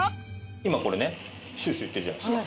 今これねシューシューいってるじゃないですか。